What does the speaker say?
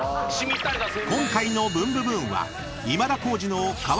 ［今回の『ブンブブーン！』は］